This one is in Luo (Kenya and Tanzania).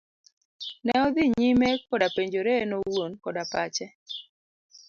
Ne odhi nyime koda penjore en owuon koda pache.